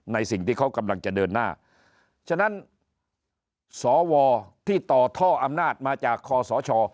สิ่งที่เขากำลังจะเดินหน้าฉะนั้นสวที่ต่อท่ออำนาจมาจากคอสช